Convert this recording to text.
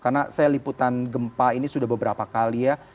karena saya liputan gempa ini sudah beberapa kali ya